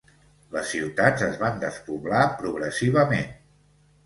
Les ciutats es van despoblar progressivament.